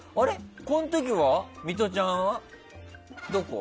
この時はミトちゃんはどこ？